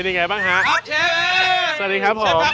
สวัสดีครับผม